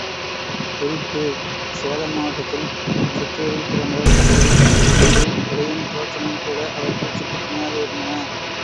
குறிப்பு—சேலம் மாவட்டத்தில் சிற்றூரில் பிறந்தவர் அப்படி, அன்றி, உடையும் தோற்றமும் கூட அவர் கூற்றுக்குத் துணையாக இருந்தன.